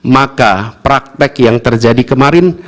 maka praktek yang terjadi kemarin